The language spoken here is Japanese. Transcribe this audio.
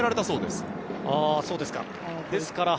そうですか。